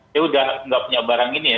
saya sudah tidak punya barang ini ya